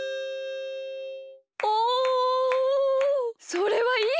それはいい